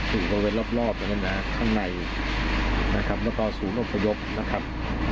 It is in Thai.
ถึงกันเป็นรอบรอบอย่างนั้นนะครับข้างในนะครับแล้วก็ศูนย์อพยพนะครับ